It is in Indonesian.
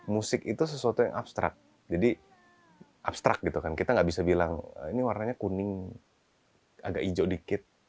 musik itu sesuatu yang abstrak jadi abstrak gitu kan kita nggak bisa bilang ini warnanya kuning agak hijau dikit